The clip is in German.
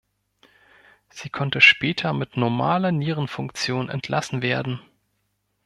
Sie konnte später mit normaler Nierenfunktion entlassen werden.